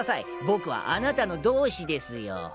僕はあなたの同志ですよ。